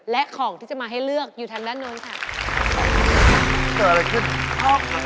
และของที่จะมาให้เลือกอยู่ทางด้านโน้นค่ะ